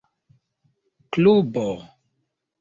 klubo